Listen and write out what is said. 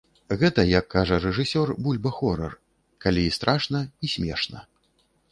Гэта, як кажа рэжысёр, бульба-хорар, калі і страшна, і смешна.